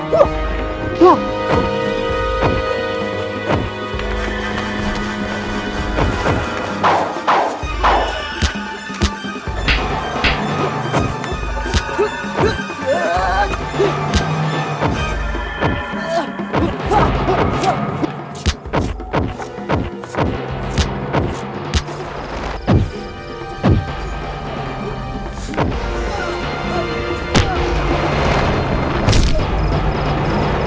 kau pasti dengan rasanya